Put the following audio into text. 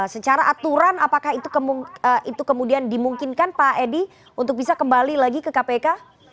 secara aturan apakah itu kemudian dimungkinkan pak edi untuk bisa kembali lagi ke kpk